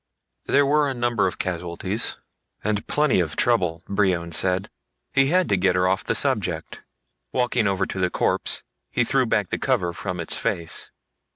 "There were a number of casualties and plenty of trouble," Brion said. He had to get her off the subject. Walking over to the corpse, he threw back the cover from its face.